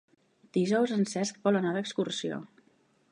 Dijous en Cesc vol anar d'excursió.